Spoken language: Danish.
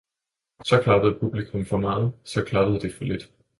– Så klappede publikum for meget, så klappede det for lidt.